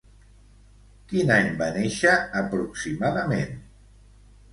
Quin any va néixer aproximadament?